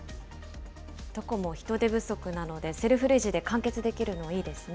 どこも人手不足なので、セルフレジで完結できるのはいいですね。